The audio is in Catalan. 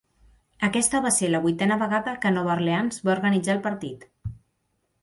Aquesta va ser la vuitena vegada que Nova Orleans va organitzar el partit.